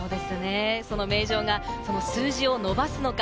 その名城が数字を伸ばすのか？